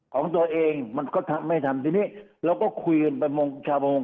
ของตัวเองมันก็ไม่ทำทีนี้เราก็คุยกันประมงชาวโมง